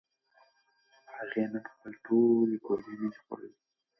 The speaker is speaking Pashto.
هغې نن خپلې ټولې ګولۍ نه دي خوړلې.